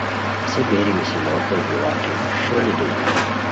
ہسے بیری نیسی لوڑیتائے کی واقعی ݰئیلی دنیا